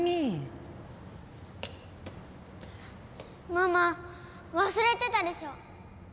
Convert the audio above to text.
ママ忘れてたでしょ？